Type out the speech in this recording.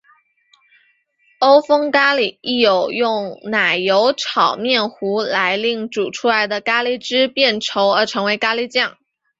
欧风咖哩亦有用奶油炒面糊来令煮出来的咖喱汁变稠成为咖喱酱。